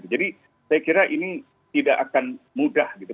jadi saya kira ini tidak akan mudah gitu